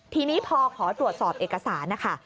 ทีนี้พอขอตรวจสอบเอกสารนะคะ